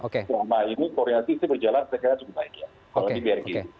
kalau di bnkg